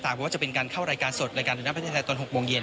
เพราะว่าจะเป็นการเข้ารายการสดรายการเดินหน้าประเทศไทยตอน๖โมงเย็น